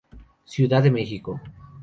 Ciudad de Mexico.